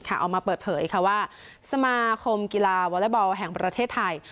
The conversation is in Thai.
ออกมาเปิดเผยว่าสมาคมกีฬาวอเล็กบอลแห่งประเทศไทย